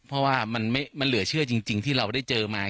เพราะว่ามันเหลือเชื่อจริงที่เราได้เจอมา